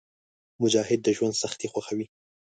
مجاهد د ژوند سختۍ خوښوي.